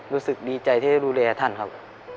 รู้สึกดีใจที่ได้ดูแลท่านครับ